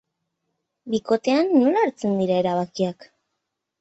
Bikotean, nola hartzen dira erabakiak?